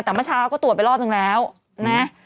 แต่เมื่อเช้าก็ตรวจไปรอบนึงแล้วนะ